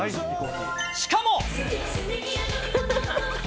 しかも。